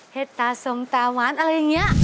เห็ดตาสมตาหวานอะไรอย่างนี้